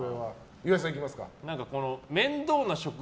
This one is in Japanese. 岩井さん、いきますか。